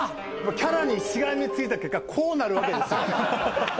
キャラにしがみついた結果こうなるわけですよ。